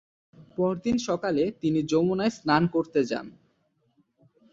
পরদিন সকালে তিনি যমুনায় স্নান করতে যান।